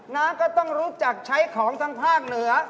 นะก็ต้องรู้จักใช้ของทางภาคเหนือ